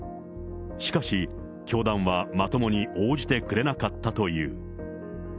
しかし、教団はまともに応じてくれなかったという。